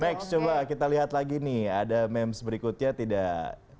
next coba kita lihat lagi nih ada memes berikutnya tidak